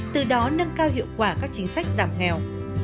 từ đó nâng cao hiệu quả các chính sách giảm nghèo